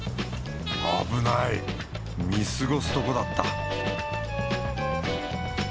危ない見過ごすとこだった